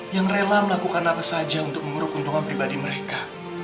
yang rela melakukan apa saja untuk menguruk keuntungan pribadi mereka